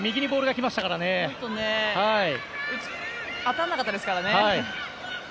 当たらなかったですからね。